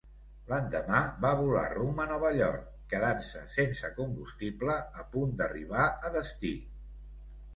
L'endemà va volar rumb a Nova York quedant-se sense combustible a punt d'arribar a destí.